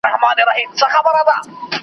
ماته دا عجیبه ښکاره سوه .